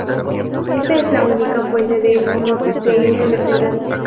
Esta es la única fuente de homocisteína en vertebrados.